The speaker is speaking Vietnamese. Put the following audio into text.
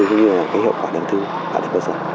cũng như hiệu quả đầu tư